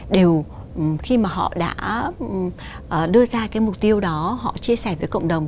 đều khi mà họ đã đưa ra cái mục tiêu đó họ chia sẻ với cộng đồng